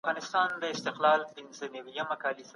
په دې تعریف کي د سړي سر ګټه هېره سوي ده.